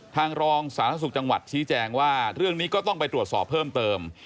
รองสาธารณสุขจังหวัดชี้แจงว่าเรื่องนี้ก็ต้องไปตรวจสอบเพิ่มเติม